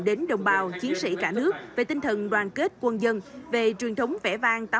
đến đồng bào chiến sĩ cả nước về tinh thần đoàn kết quân dân về truyền thống vẽ vang